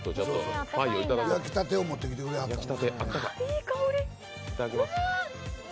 焼きたてを持ってきてくださった。